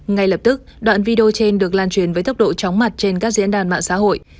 ngay lập tức đoạn video trên được lan truyền với tốc độ chóng mặt trên các diễn đàn mạng xã hội